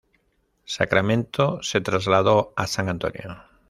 Sacramento se trasladó a San Antonio.